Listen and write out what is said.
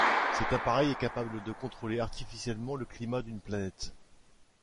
Cet appareil est capable de contrôler artificiellement le climat d'une planète.